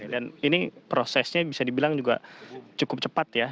dan ini prosesnya bisa dibilang juga cukup cepat ya